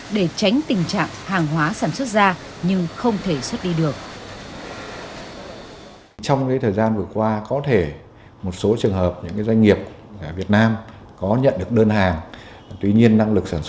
để tránh tình trạng hàng hóa sản xuất ra nhưng không thể xuất đi được